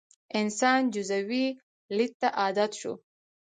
انسان جزوي لید ته عادت شو.